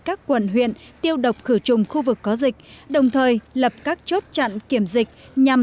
các quận huyện tiêu độc khử trùng khu vực có dịch đồng thời lập các chốt chặn kiểm dịch nhằm